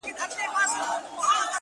په کیسو ستړی کړې٫